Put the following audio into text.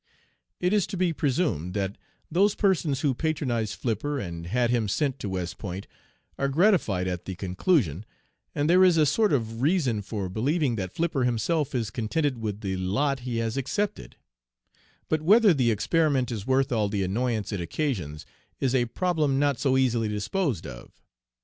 It is to be presumed that those persons who patronized Flipper and had him sent to West Point are gratified at the conclusion, and there is a sort of reason for believing that Flipper himself is contented with the lot he has accepted; but whether the experiment is worth all the annoyance it occasions is a problem not so easily disposed of.